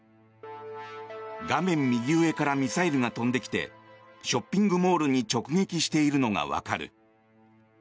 画面右上からミサイルが飛んできてショッピングモールに直撃しているのがわかる。